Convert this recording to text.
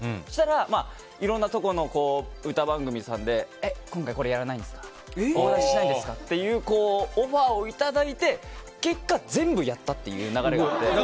そしたら、いろんなところの歌番組さんで今回、これやらないんですかってオファーをいただいて結果、全部やったっていう流れがあって。